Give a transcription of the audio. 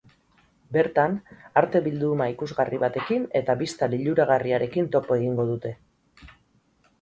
Bertan, arte bilduma ikusgarri batekin eta bista liluragarriekin topo egingo dute.